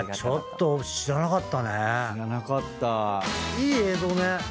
いい映像ね。